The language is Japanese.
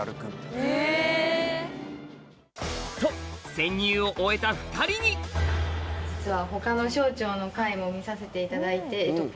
潜入を終えた２人に実は。